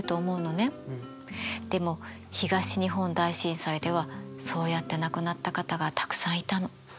でも東日本大震災ではそうやって亡くなった方がたくさんいたの。